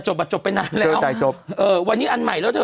เจอจ่ายจบเนี่ย